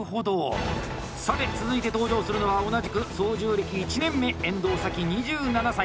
さて、続いて登場するのは同じく操縦歴１年目遠藤咲、２７歳。